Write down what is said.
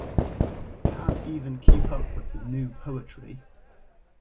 Can't even keep up with the new poetry.